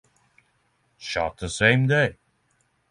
Shot the same day.